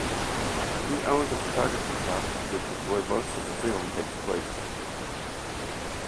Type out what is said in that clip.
He owns a photography shop, which is where most of the film takes place.